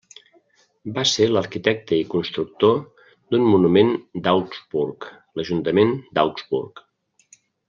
Va ser l'arquitecte i constructor d'un monument d'Augsburg: l'ajuntament d'Augsburg.